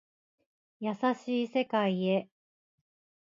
優しい世界へ